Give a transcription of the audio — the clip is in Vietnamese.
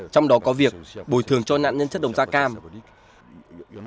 trong đó có việc bồi thường cho các công ty hóa chất mỹ